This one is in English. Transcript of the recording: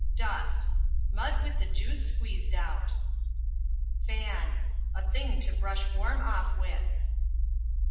Dust Mud with the juice squeezed out. Fan A thing to brush warm off with.